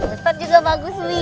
ustadz juga bagus wih